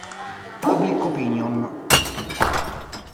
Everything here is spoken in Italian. Public Opinion